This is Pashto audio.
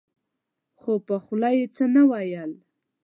خو په خوله يې څه نه ويل.